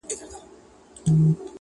افريدی دی که مومند دی -